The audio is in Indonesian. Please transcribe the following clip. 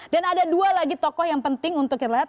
dan ada dua lagi tokoh yang penting untuk kita lihat